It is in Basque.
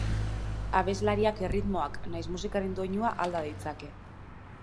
Abeslariak erritmoak nahiz musikaren doinua alda ditzake.